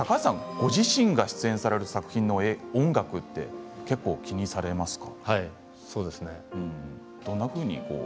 ご自身が出演される作品の音楽的にされますか。